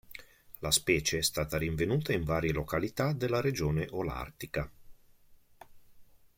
La specie è stata rinvenuta in varie località della regione olartica.